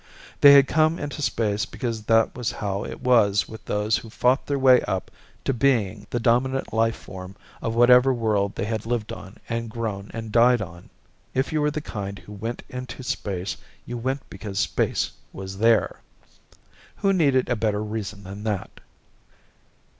They had come into space because that was how it was with those who fought their way up to being the dominate life form of whatever world they had lived on and grown and died on. If you were the kind who went into space, you went because space was there. Who needed a better reason than that?